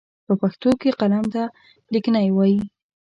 په پښتو کې قلم ته ليکنی وايي.